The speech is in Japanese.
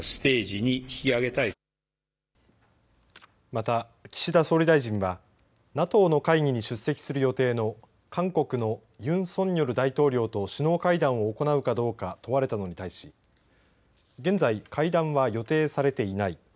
また、岸田総理大臣はＮＡＴＯの会議に出席する予定の韓国のユン・ソンニョル大統領と首脳会談を行うかどうか問われたのに対し現在、会談は予定されていない。